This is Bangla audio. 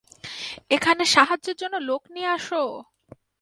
এখানে সাহায্যের জন্য লোক নিয়ে আসো!